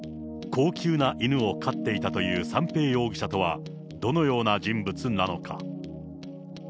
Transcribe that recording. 高級な犬を飼っていたという三瓶容疑者とはどのような人物なのか。